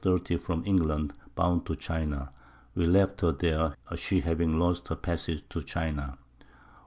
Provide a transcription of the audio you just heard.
_ from England, bound to China. We left her there, she having lost her Passage for China.